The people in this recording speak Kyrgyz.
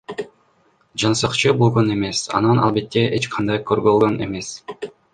Жансакчы болгон эмес, анан албетте эч кандай корголгон эмес.